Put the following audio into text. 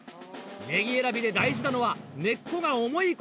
ネギ選びで大事なのは根っこが重いこと。